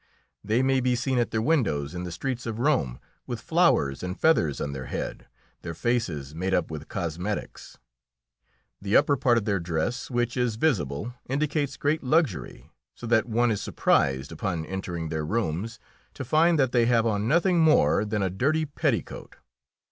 They may be seen at their windows in the streets of Rome, with flowers and feathers on their head, their faces made up with cosmetics. The upper part of their dress, which is visible, indicates great luxury, so that one is surprised, upon entering their rooms, to find that they have on nothing more than a dirty petticoat.